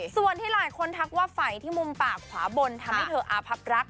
ส่วนที่หลายคนทักว่าไฟที่มุมปากขวาบนทำให้เธออาพับรัก